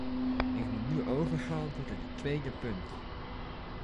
Ik wil nu overgaan tot het tweede punt.